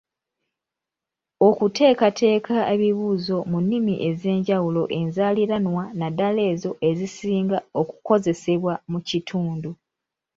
Okuteekateeka ebibuuzo mu nnimi ez'enjawulo enzaaliranwa naddala ezo ezisinga okukozesebwa mu kitundu.